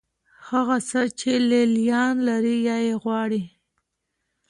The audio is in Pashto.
هغه څه چې لې لیان لري یا یې غواړي.